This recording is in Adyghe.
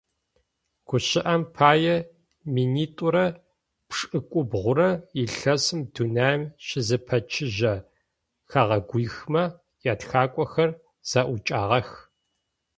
Гущыӏэм пае, минитӏурэ пшӏыкӏубгъурэ илъэсым дунаим щызэпэчыжьэ хэгъэгуихмэ ятхакӏохэр зэӏукӏагъэх.